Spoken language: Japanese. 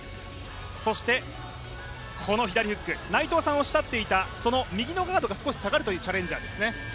そしてこの左フック、内藤さんがおっしゃっていた右のガードが少し下がるというチャレンジャーですね。